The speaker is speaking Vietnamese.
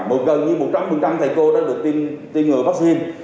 mỗi gần như một trăm linh thầy cô đã được tiêm ngừa vaccine